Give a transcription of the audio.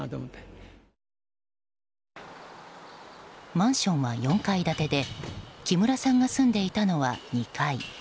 マンションは４階建てで木村さんが住んでいたのは２階。